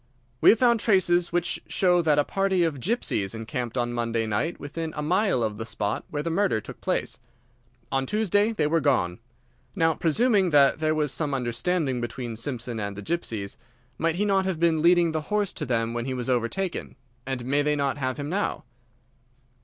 "We have found traces which show that a party of gypsies encamped on Monday night within a mile of the spot where the murder took place. On Tuesday they were gone. Now, presuming that there was some understanding between Simpson and these gypsies, might he not have been leading the horse to them when he was overtaken, and may they not have him now?"